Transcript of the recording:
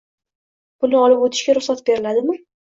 Buni olib o'tishga ruxsat beriladimi?